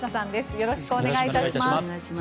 よろしくお願いします。